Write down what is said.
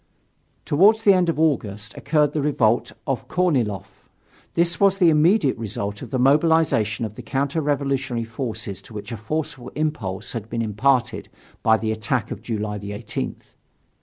Toward the end of August occurred the revolt of Korniloff; this was the immediate result of the mobilization of the counter revolutionary forces to which a forceful impulse had been imparted by the attack of July 18th.